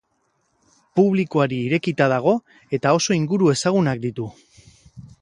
Publikoari irekita dago eta oso inguru ezagunak ditu.